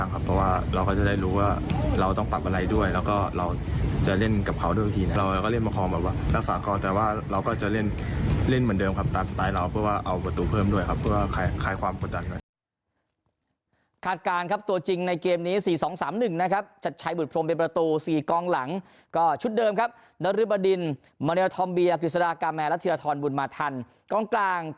หรือว่าขายความควดดันก่อน